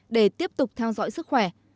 để tiếp tục theo dõi sức khỏe